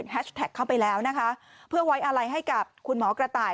แท็กเข้าไปแล้วนะคะเพื่อไว้อะไรให้กับคุณหมอกระต่าย